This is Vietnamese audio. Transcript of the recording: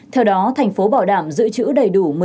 theo đó thành phố bảo đảm giữ chữ đầy đủ